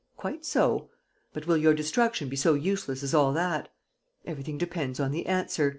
Quite so. ... But will your destruction be so useless as all that? Everything depends on the answer.